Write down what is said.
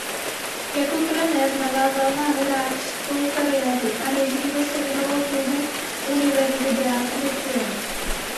Jako trenér navázal na hráčskou kariéru a nejdříve se věnoval klubu Universidad de Chile.